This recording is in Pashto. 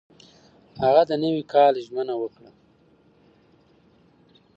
هغه د نوي کال ژمنه وکړه.